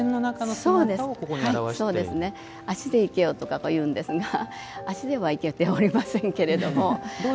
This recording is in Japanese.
足で生けよとか、いうんですが足では生けておりませんけど。